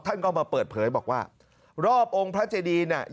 ท่านก็มาเปิดเผยบอกว่ารอบองค์พระเจดีเนี่ย